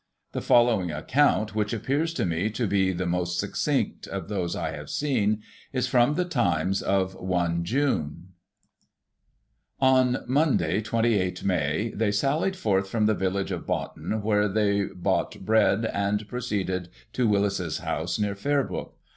The following account, which appears to me to be the most succinct of those I have seen, is from the Times of I June :" On Monday (28 May) they sallied forth from the village of Boughton, where they bought bread, and proceeded to Wills's house, near Fairbrook.